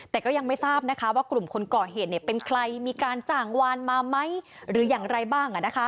แต่ก็ยังไม่ทราบนะคะว่ากลุ่มคนก่อเหตุเป็นใครมีการจ่างวานมาไหมหรืออย่างไรบ้าง